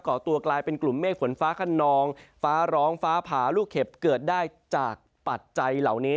่อตัวกลายเป็นกลุ่มเมฆฝนฟ้าขนองฟ้าร้องฟ้าผ่าลูกเห็บเกิดได้จากปัจจัยเหล่านี้